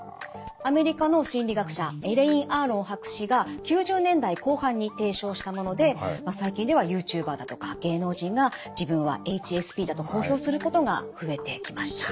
アメリカの心理学者エレイン・アーロン博士が９０年代後半に提唱したもので最近ではユーチューバーだとか芸能人が自分はＨＳＰだと公表することが増えてきました。